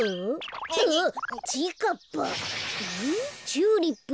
チューリップ。